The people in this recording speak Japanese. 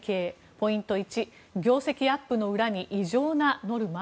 ポイント１業績アップの裏に異常なノルマ？